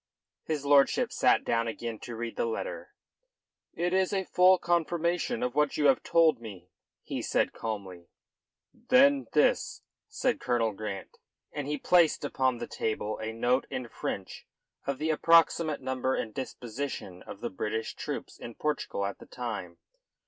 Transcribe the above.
His lordship sat down again to read the letter. "It is a full confirmation of what you have told me," he said calmly. "Then this," said Colonel Grant, and he placed upon the table a note in French of the approximate number and disposition of the British troops in Portugal at the time.